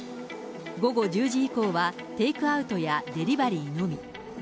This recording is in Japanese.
午後１０時以降はテイクアウトやデリバリーのみ。